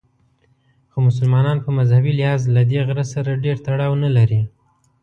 خو مسلمانان په مذهبي لحاظ له دې غره سره ډېر تړاو نه لري.